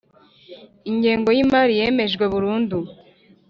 Ingengo yimari yemejwe burundu